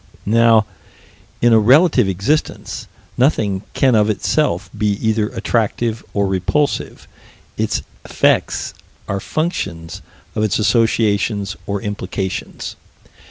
Now, in a relative existence, nothing can of itself be either attractive or repulsive: its effects are functions of its associations or implications.